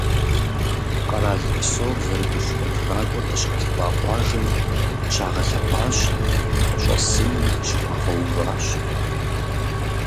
Къэрал псор зэрыгушхуэ тхакӏуэр къыщалъхуа къуажэм щагъэлъэпӏащ, фӏыщӏэ сыни щыхуагъэуващ.